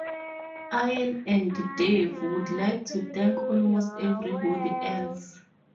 Ian and Dave would like to thank almost everybody else.